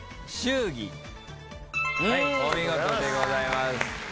お見事でございます。